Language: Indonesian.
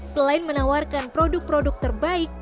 selain menawarkan produk produk terbaik